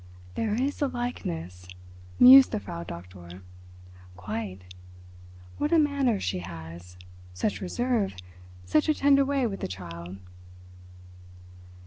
"There is a likeness," mused the Frau Doktor. "Quite. What a manner she has. Such reserve, such a tender way with the child."